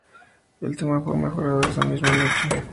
El tema fue mejorado esa misma noche.